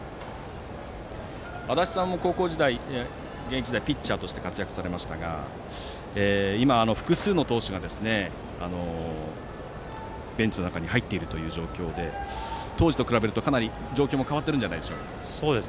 足達さんも現役時代はピッチャーとして活躍されましたが今、複数の投手がベンチの中に入っている状況で当時と比べるとかなり状況も変わっているのではないでしょうか。